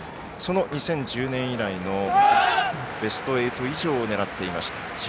その２０１０年以来のベスト８以上を狙っていました。